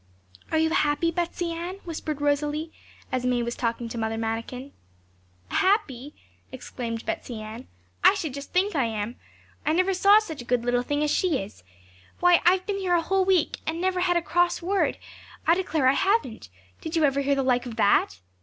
'Are you happy, Betsey Ann?' whispered Rosalie, as May was talking to Mother Manikin. 'Happy?' exclaimed Betsey Ann; 'I should just think I am! I never saw such a good little thing as she is. Why, I've been here a whole week, and never had a cross word, I declare I haven't; did you ever hear the like of that?'